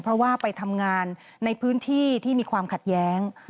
เพราะว่าไปทำงานในพื้นที่ที่มีความขัดแย้ง